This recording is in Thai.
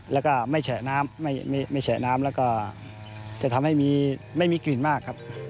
แล้วก็ไม่แฉะน้ำแล้วก็จะทำให้ไม่มีกลิ่นมากครับ